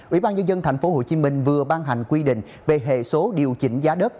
ủy ban nhân dân tp hcm vừa ban hành quy định về hệ số điều chỉnh giá đất